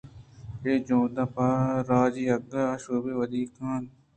* بے جُھد ءُ بے راجی آگاھی ءَ آشوب ودی نہ بنت۔